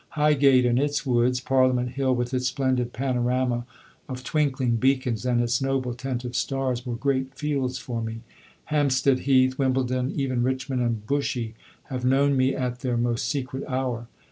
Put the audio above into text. Highgate and its woods, Parliament Hill with its splendid panorama of twinkling beacons and its noble tent of stars, were great fields for me. Hampstead Heath, Wimbledon, even Richmond and Bushey have known me at their most secret hour.